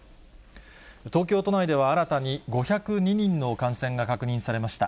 東京都内では新たに５０２人の感染が確認されました。